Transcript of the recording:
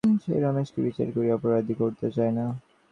সে রমেশকে বিচার করিয়া অপরাধী করিতেও চায় না।